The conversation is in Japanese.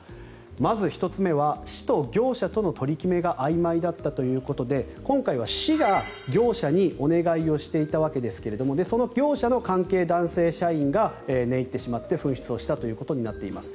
まず１つ目は市と業者との取り決めがあいまいだったということで今回は市が業者にお願いをしていたわけですがその業者の関係男性社員が寝入ってしまって紛失をしたということになっています。